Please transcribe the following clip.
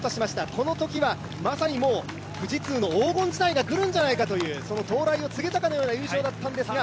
このときはまさに富士通の黄金時代が来るんじゃないかというその灯台を告げたかのような優勝だったんですが。